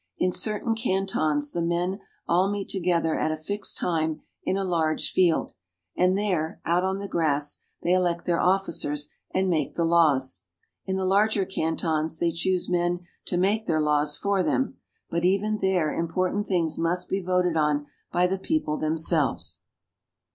In certain cantons, the men all meet together at a fixed time in a large field, and there, out on the grass, they elect their officers, and make the laws. In the larger cantons, they choose men to make their laws for them, but even there important things must be voted on by the people themselves.